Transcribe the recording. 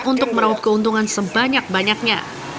untuk meraup keuntungan sebanyak banyaknya